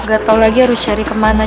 gatau lagi harus cari kemana